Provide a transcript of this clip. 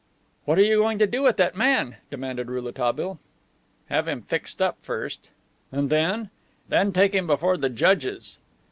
"What are you going to do with that man?" demanded Rouletabille. "Have him fixed up first." "And then?" "Then take him before the judges."